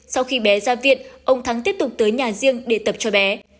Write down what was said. sau khi bé ra viện ông thắng tiếp tục tới nhà riêng để tập cho bé